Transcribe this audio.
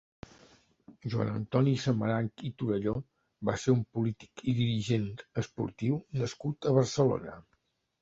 Joan Antoni Samaranch i Torelló va ser un polític i dirigent esportiu nascut a Barcelona.